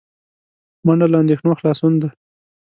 منډه له اندېښنو خلاصون دی